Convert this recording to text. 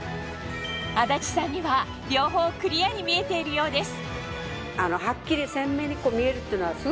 安達さんには両方クリアに見えているようです